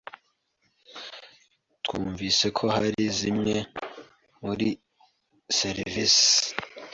Twumvise ko hari zimwe muri serivisi